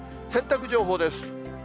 洗濯情報です。